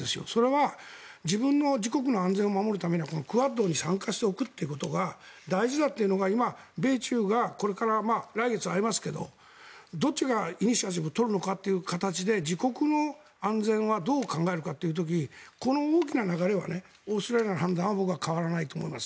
それは自分の自国の安全を守るためにはクアッドに参加しておくことが大事だというのが今、米中がこれから来月会いますがどっちがイニシアチブを取るのかというのが自国の安全はどう考えるかという時にこの大きな流れはオーストラリアの判断は僕は変わらないと思います。